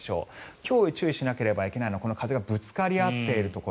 今日注意しなければいけないのはこの風がぶつかり合っているところ。